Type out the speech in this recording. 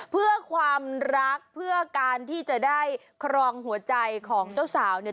เพื่อความรักเพื่อการที่จะได้ครองหัวใจของเจ้าสาวเนี่ย